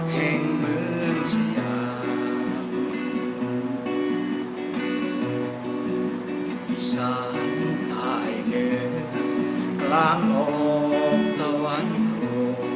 แห่งเมืองสยามอิษฐานตายเดินกลางออกตะวันโถ